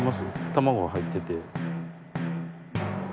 卵が入ってて。